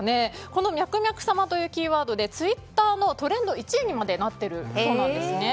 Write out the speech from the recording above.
このミャクミャク様というキーワードでツイッターのトレンド１位にまでなっているそうなんです。